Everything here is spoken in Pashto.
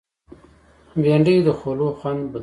بېنډۍ د خولو خوند بدلوي